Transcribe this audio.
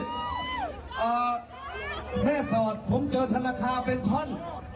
แม่สอดแม่สอดผมเจอธนาคาเป็นท่อน